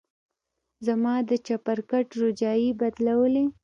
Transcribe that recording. زما د چپرکټ روجايانې يې بدلولې.